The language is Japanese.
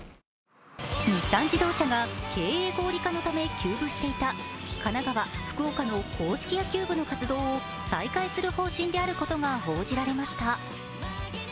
日産自動車が経営合理化のため休部していた神奈川・福岡の硬式野球部の活動を再開する方針であることが報じられました。